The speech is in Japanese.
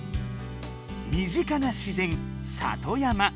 身近な自然里山。